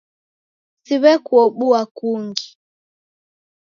Siw'ekuobua kungi.